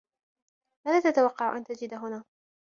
ماذا تتوقع أن تجد هنا؟